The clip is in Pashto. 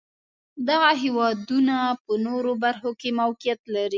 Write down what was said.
دغه هېوادونه په نورو برخو کې موقعیت لري.